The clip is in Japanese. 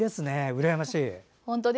うらやましい。